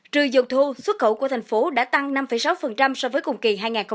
trừ dột thu xuất khẩu của thành phố đã tăng năm sáu so với cùng kỳ hai nghìn một mươi bảy